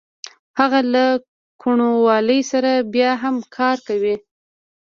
هغه له کوڼوالي سره سره بیا هم کار کوي